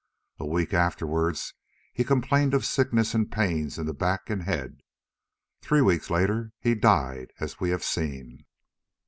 A week afterwards he complained of sickness and pains in the back and head—three weeks later he died as we have seen.